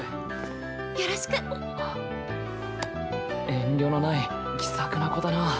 遠慮のない気さくな子だな。